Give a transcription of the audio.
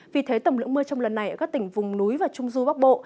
vì thế tổng lượng mưa trong lần này ở các tỉnh vùng núi và trung du bắc bộ